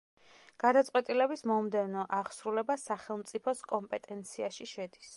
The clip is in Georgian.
გადაწყვეტილების მომდევნო აღსრულება სახელმწიფოს კომპეტენციაში შედის.